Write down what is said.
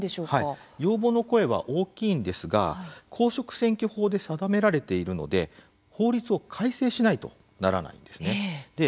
要望の声は大きいんですが公職選挙法で定められているので法律を改正しないとならないんですね。